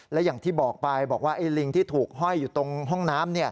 และอย่างที่บอกไปบอกว่าไอ้ลิงที่ถูกห้อยอยู่ตรงห้องน้ำ